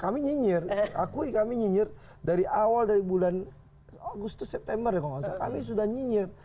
kami nyinyir akui kami nyinyir dari awal dari bulan agustus september ya kalau nggak salah kami sudah nyinyir